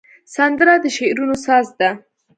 سندره د شعرونو ساز ده